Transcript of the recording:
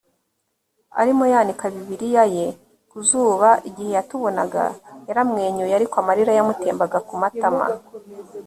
arimo yanika bibiliya ye ku zuba igihe yatubonaga yaramwenyuye ariko amarira yamutembaga ku matama